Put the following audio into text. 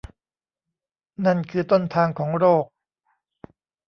นั่นคือต้นทางของโรค